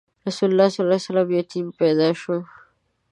رسول الله ﷺ یتیم پیدا شو.